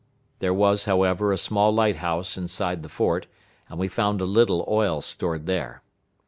There was, however, a small light house inside the fort, and we found a little oil stored there.